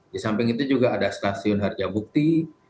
di samping itu juga ada stasiun harja bukti